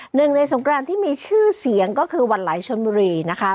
หนึ่งในสงครานที่มีชื่อเสียงก็คือวันไหลชนบุรีนะคะ